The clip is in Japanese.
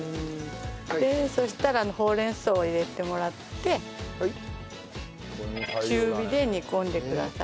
そしたらほうれん草を入れてもらって中火で煮込んでください。